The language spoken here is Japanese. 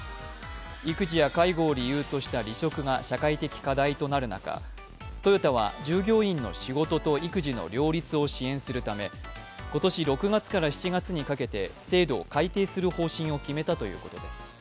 育児や介護を理由とした離職が社会的課題となる中、トヨタは従業員の仕事と育児の両立を支援するため今年６月から７月にかけて制度を改定する方針を決めたということです。